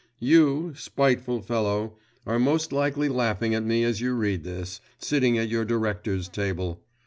You, spiteful fellow, are most likely laughing at me as you read this, sitting at your directors' table.